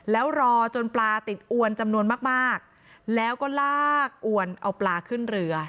แล้วรอจนปลาติดอวนจำนวนมากแล้วก็ลากอวนเอาปลาขึ้นเรือ